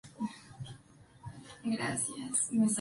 Sin embargo, logró sobrevivir.